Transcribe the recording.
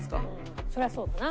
そりゃそうだな。